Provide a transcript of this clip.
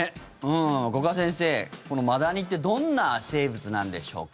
五箇先生、このマダニってどんな生物なんでしょうか？